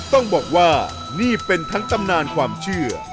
ต้องบอกว่านี่เป็นทั้งตำนานความเชื่อ